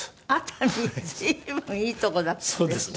随分いいとこだったんですね。